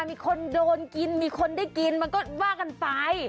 มีคนโดนกินมีคนได้กินมันก็ว่ากันไป